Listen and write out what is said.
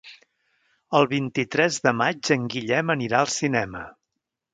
El vint-i-tres de maig en Guillem anirà al cinema.